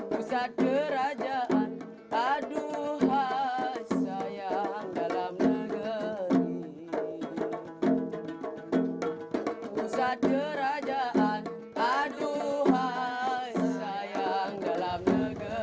pusat kerajaan aduh hasayang dalam negeri